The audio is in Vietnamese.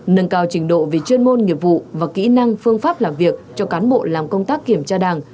nâng cao trình độ về chuyên môn nghiệp vụ và kỹ năng phương pháp làm việc cho cán bộ làm công tác kiểm tra đảng